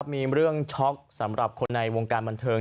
มีเรื่องช็อกสำหรับคนในวงการบันเทิง